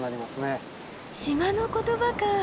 島の言葉かあ。